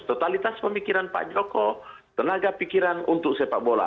totalitas pemikiran pak joko tenaga pikiran untuk sepak bola